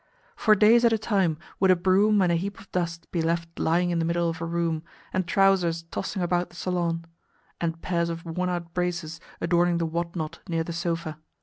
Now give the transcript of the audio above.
For days at a time would a broom and a heap of dust be left lying in the middle of a room, and trousers tossing about the salon, and pairs of worn out braces adorning the what not near the sofa.